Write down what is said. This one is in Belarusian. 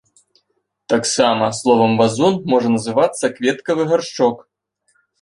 Таксама словам вазон можа называцца кветкавы гаршчок.